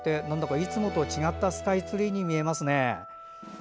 なんだかいつもと違ったスカイツリーに見えますね。